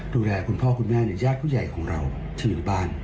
ดูแลคุณพ่อคุณแม่ยากสุดใหญ่ของเราที่อยู่บ้าน